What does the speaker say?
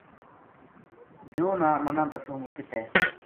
دیو نا منا دسوں وہ کِت ہے